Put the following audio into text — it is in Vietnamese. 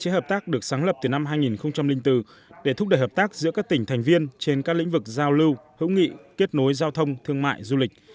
hợp tác được sáng lập từ năm hai nghìn bốn để thúc đẩy hợp tác giữa các tỉnh thành viên trên các lĩnh vực giao lưu hữu nghị kết nối giao thông thương mại du lịch